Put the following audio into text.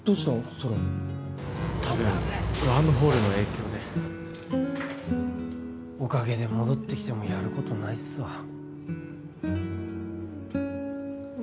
それ多分ワームホールの影響でおかげで戻ってきてもやることないっすわね